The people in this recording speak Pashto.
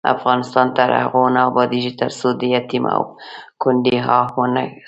افغانستان تر هغو نه ابادیږي، ترڅو د یتیم او کونډې آه وانه خیژي.